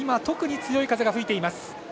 特に強い風が吹いています。